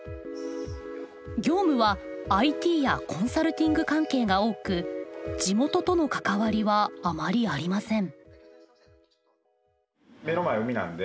業務はＩＴやコンサルティング関係が多く地元との関わりはあまりありません。